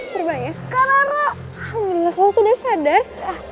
kalau sudah sadar